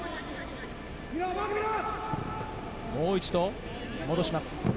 もう一度戻します。